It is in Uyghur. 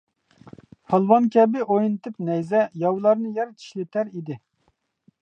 پالۋان كەبى ئوينىتىپ نەيزە، ياۋلارنى يەر چىشلىتەر ئىدى.